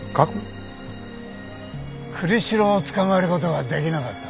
栗城を捕まえる事ができなかったんです。